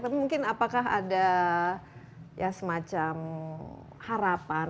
tapi mungkin apakah ada ya semacam harapan